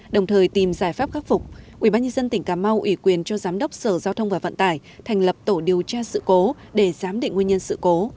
đồng thời tìm giải pháp khắc phục ubnd tỉnh cà mau ủy quyền cho giám đốc sở giao thông và vận tải thành lập tổ điều tra sự cố để giám định nguyên nhân sự cố